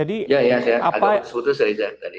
ada yang seputusnya riza tadi